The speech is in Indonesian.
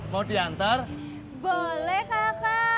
kamu nyari yang lain aja